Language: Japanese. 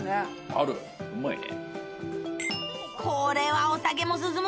あるうまいね。